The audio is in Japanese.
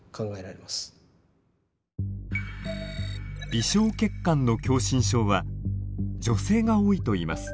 微小血管の狭心症は女性が多いといいます。